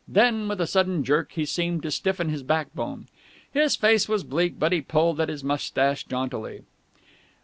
Then, with a sudden jerk, he seemed to stiffen his backbone. His face was bleak, but he pulled at his moustache jauntily.